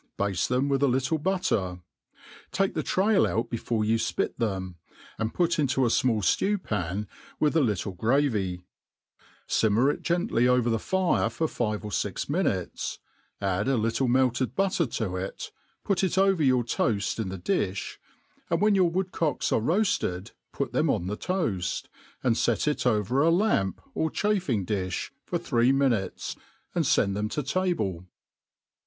bai}:e them with a little butter; take the trail out ^elb^e you {jpit them, and put into a fmall ftew pan, with a little gravy ; fimmer it gently over tlie fire for five or fix mi liutes; add a little melted butter to it, put it over your toaft in the di(h, and when your woodcocks are roafted put them oq |lje tpaftj and fet it oyer a lamp or chaffing difc for tbfree mi hutes, and fend them to table.